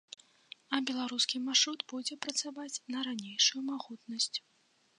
А беларускі маршрут будзе працаваць на ранейшую магутнасць.